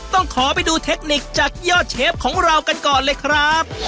ต้องขอไปดูเทคนิคจากยอดเชฟของเรากันก่อนเลยครับ